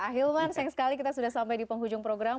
ahilman sayang sekali kita sudah sampai di penghujung program